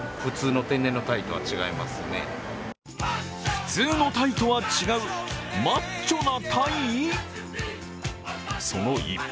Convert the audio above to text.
普通の鯛とは違うマッチョな鯛？